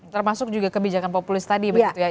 termasuk juga kebijakan populis tadi begitu ya